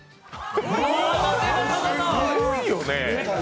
すごいよね。